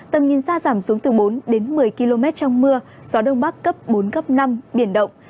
tầm nhìn xa giảm xuống từ bốn đến một mươi km trong mưa gió đông bắc cấp bốn cấp năm biển động